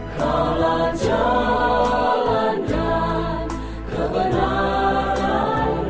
kau lah jalan dan kebenaran dan hidup